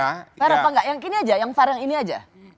fair apa enggak yang ini aja yang far yang ini aja